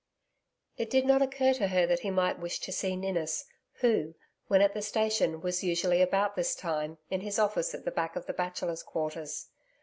It did not occur to her that he might wish to see Ninnis, who, when at the station, was usually about this time, in his office at the back of the Bachelors' Quarters.